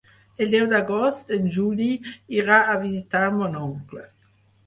El deu d'agost en Juli irà a visitar mon oncle.